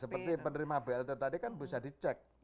seperti penerima blt tadi kan bisa dicek